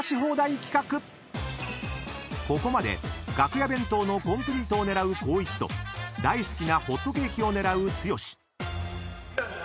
［ここまで楽屋弁当のコンプリートを狙う光一と大好きなホットケーキを狙う剛］